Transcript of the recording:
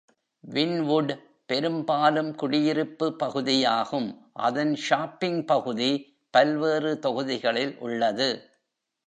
வின்வுட் பெரும்பாலும் குடியிருப்பு பகுதியாகும், அதன் ஷாப்பிங் பகுதி பல்வேறு தொகுதிகளில் உள்ளது.